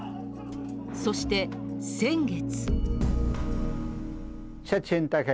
そして、先月。